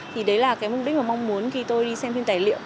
thì đấy là cái mục đích mà mong muốn khi tôi đi xem phim tài liệu